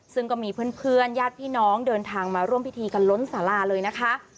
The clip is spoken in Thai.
ซึ่งก็มีเพื่อนญาติพี่น้องเดินทางมาร่วมพิธีกันล้นสาราเลยนะคะ